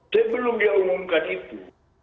saya belum dia mengumumkan itu